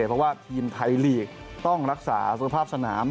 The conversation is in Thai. เพราะว่าทีมไทยลีกต้องรักษาสภาพสนาม